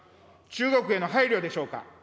中国への配慮でしょうか。